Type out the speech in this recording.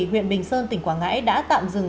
huyện bình sơn tỉnh quảng ngãi đã tạm dừng